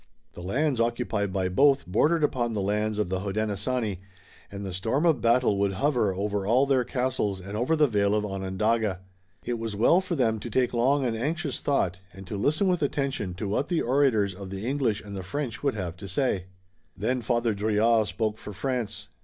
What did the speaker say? The lands occupied by both bordered upon the lands of the Hodenosaunee, and the storm of battle would hover over all their castles and over the vale of Onondaga. It was well for them to take long and anxious thought, and to listen with attention to what the orators of the English and the French would have to say. Then Father Drouillard spoke for France.